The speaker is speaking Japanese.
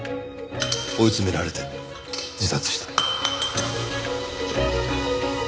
追い詰められて自殺した。